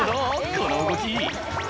この動き」